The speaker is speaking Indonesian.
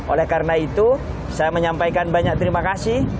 oleh karena itu saya menyampaikan banyak terima kasih